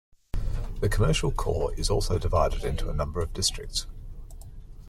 The commercial core is also divided into a number of districts.